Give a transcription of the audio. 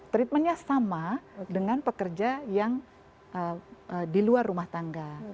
treatmentnya sama dengan pekerja yang di luar rumah tangga